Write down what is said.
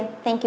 một lần nữa